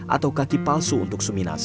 atau kaki palsu untuk suminasi